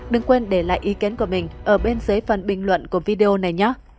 đừng quên để lại ý kiến của mình ở bên dưới phần bình luận của video này nhoc